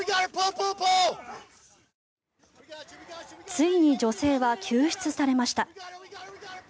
ついに女性は救出されました。